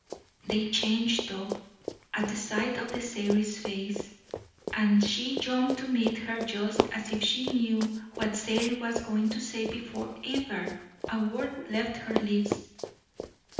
They changed, though, at the sight of Sairey's face, and she jumped to meet her just as if she knew what Sairey was going to say before ever a word left her lips.